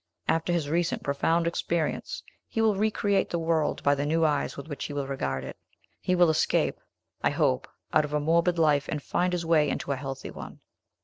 After his recent profound experience, he will re create the world by the new eyes with which he will regard it. He will escape, I hope, out of a morbid life, and find his way into a healthy one."